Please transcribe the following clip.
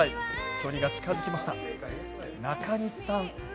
距離が近づきました。